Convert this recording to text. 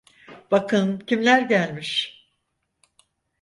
Bakın kimler gelmiş.